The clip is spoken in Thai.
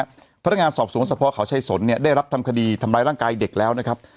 พนักงานสอบสวนสภเขาชายสนเนี่ยได้รับทำคดีทำร้ายร่างกายเด็กแล้วนะครับ